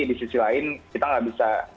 di sisi lain kita nggak bisa